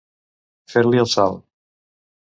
Fer-li el salt.